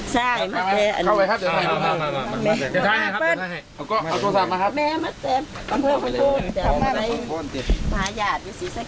โซมเข้าไปครับ